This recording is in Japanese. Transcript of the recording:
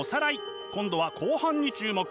今度は後半に注目。